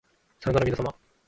さようならみなさま